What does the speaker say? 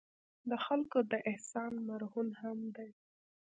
د خلکو د احسان مرهون هم دي.